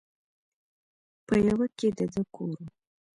په يوه کښې د ده کور و.